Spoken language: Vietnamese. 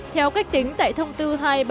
theo cách tính tại thông tư hai trăm ba mươi